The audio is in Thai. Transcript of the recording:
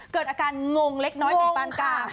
เกิดอาการงงเล็กน้อยเป็นปัญกา